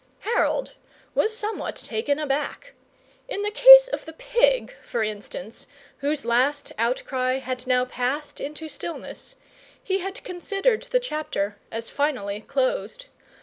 Harold was somewhat taken aback. In the case of the pig, for instance, whose last outcry had now passed into stillness, he had considered the chapter as finally closed.